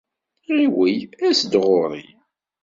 Ɣiwel, as-d ɣur-i!